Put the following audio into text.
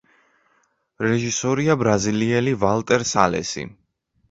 რეჟისორია ბრაზილიელი ვალტერ სალესი.